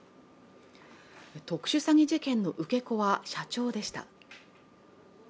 特殊詐欺事件の受け子は社長でした。